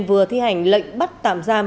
vừa thi hành lệnh bắt tạm giam